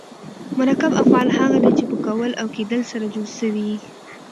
مرکب افعال هغه دي، چي په کول او کېدل سره جوړ سوي یي.